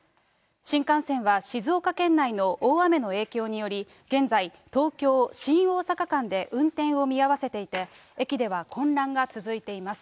新幹線は静岡県内の大雨の影響により、現在、東京・新大阪間で運転を見合わせていて、駅では混乱が続いています。